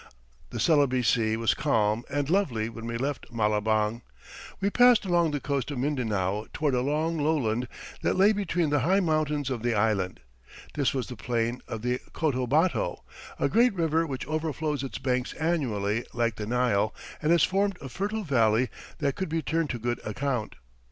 The Celebes Sea was calm and lovely when we left Malabang. We passed along the coast of Mindanao toward a long lowland that lay between the high mountains of the island. This was the plain of the Cotobato, a great river which overflows its banks annually like the Nile and has formed a fertile valley that could be turned to good account.